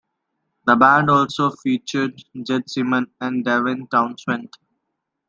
The band also featured Jed Simon and Devin Townsend.